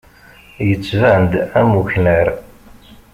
Yettban-d am uknar.